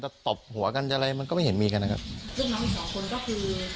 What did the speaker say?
ตบหัวกันอะไรมันก็ไม่เห็นมีกันนะครับซึ่งน้องอีกสองคนก็คือ